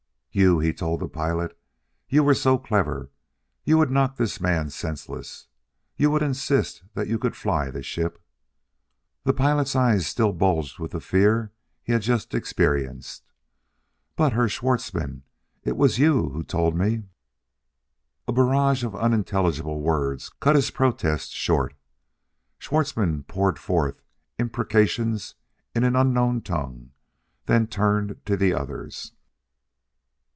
"You," he told the pilot "you were so clever; you would knock this man senseless! You would insist that you could fly the ship!" The pilot's eyes still bulged with the fear he had just experienced. "But, Herr Schwartzmann, it was you who told me " A barrage of unintelligible words cut his protest short. Schwartzmann poured forth imprecations in an unknown tongue, then turned to the others.